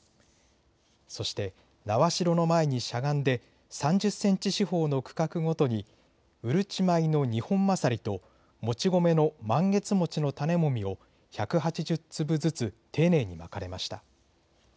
そして苗代の前にしゃがんで３０センチ四方の区画ごとにうるち米のニホンマサリともち米のマンゲツモチの種もみを１８０粒ずつ丁寧にまかれました。